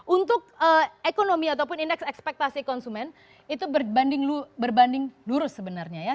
untuk ekonomi ataupun indeks ekspektasi konsumen itu berbanding lurus sebenarnya ya